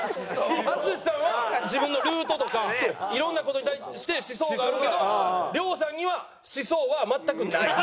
淳さんは自分のルートとかいろんな事に対して思想があるけど亮さんには全くなの？